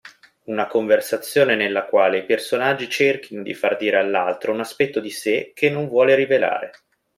Una conversazione nella quale i personaggi cerchino di far dire all'altro un aspetto di sé che non vuole rivelare.